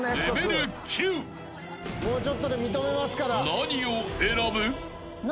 ［何を選ぶ？］